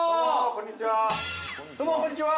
こんにちは。